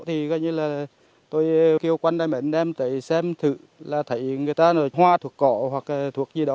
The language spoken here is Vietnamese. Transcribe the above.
thì gọi như là tôi kêu quan đại mệnh em để xem thử là thấy người ta nó hoa thuộc cỏ hoặc thuộc gì đó